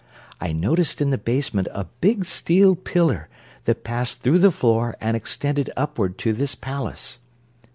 I noticed in the basement a big steel pillar that passed through the floor and extended upward to this palace.